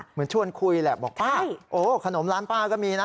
เหมือนชวนคุยแหละบอกป้าโอ้ขนมร้านป้าก็มีนะ